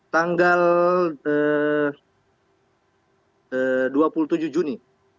tanggal dua puluh tujuh juni